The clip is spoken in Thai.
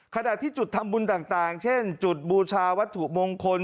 ขณะที่จุดทำบุญต่างเช่นจุดบูชาวัตถุมงคล